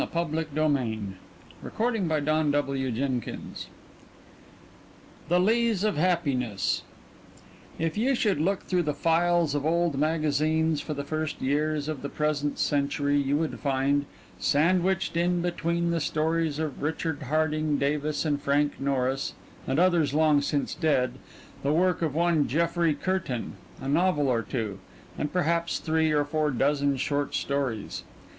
UNCLASSIFIED MASTERPIECES THE LEES OF HAPPINESS If you should look through the files of old magazines for the first years of the present century you would find, sandwiched in between the stories of Richard Harding Davis and Frank Norris and others long since dead, the work of one Jeffrey Curtain: a novel or two, and perhaps three or four dozen short stories.